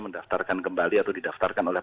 mendaftarkan kembali atau didaftarkan oleh